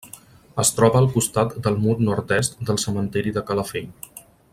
Es troba al costat del mur nord-est del cementiri de Calafell.